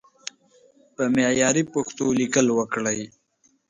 په معياري پښتو ليکل وکړئ!